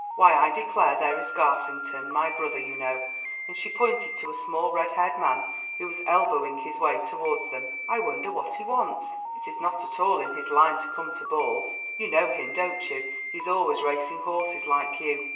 Why, I declare there is Garsington, my brother, you know," and she pointed to a small red haired man who was elbowing his way towards them. "I wonder what he wants; it is not at all in his line to come to balls. You know him, don't you? he is always racing horses, like you."